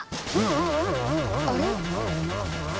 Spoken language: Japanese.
あれ？